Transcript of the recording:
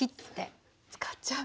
使っちゃう。